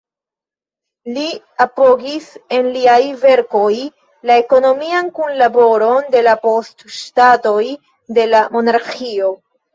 Li apogis en liaj verkoj la ekonomian kunlaboron de la post-ŝtatoj de la Monarĥio.